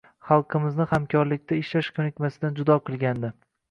Xalqimizni hamkorlikda ishlash ko‘nikmasidan judo qilishgandi.